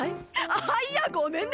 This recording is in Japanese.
あ！いやごめんね？